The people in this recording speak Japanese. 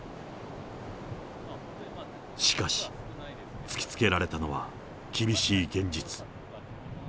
しかし、突きつけられたのは厳しい現実。